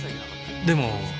でも。